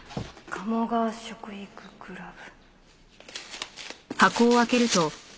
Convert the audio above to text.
「鴨川食育クラブ」。